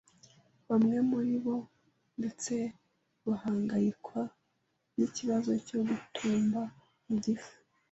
Bamwe muri abo ndetse bahangayikwa n’ikibazo cyo gutumba mu gifu,